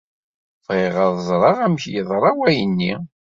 Bɣiɣ ad ẓreɣ amek yeḍra wayen-nni.